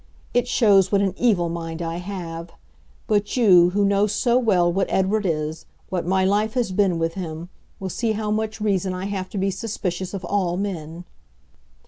It shows what an evil mind I have. But you, who know so well what Edward is, what my life has been with him, will see how much reason I have to be suspicious of all men!"